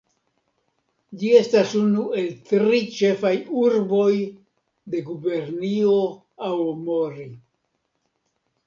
Ĝi estas unu el tri ĉefaj urboj de Gubernio Aomori.